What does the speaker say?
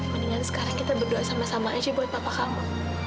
mendingan sekarang kita berdoa sama sama aja sih buat papa kamu